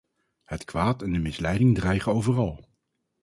Het kwaad en de misleiding dreigen overal.